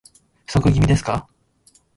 不足気味ですか